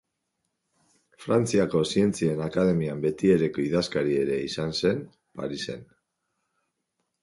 Frantziako Zientzien Akademian betiereko idazkari ere izan zen, Parisen.